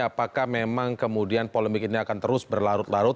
apakah memang kemudian polemik ini akan terus berlarut larut